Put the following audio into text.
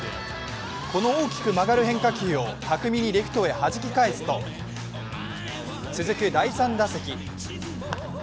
この大きく曲がる変化球を巧みにレフトへはじき返すと続く第３打席。